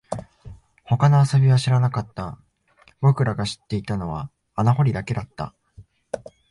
他の遊びは知らなかった、僕らが知っていたのは穴掘りだけだった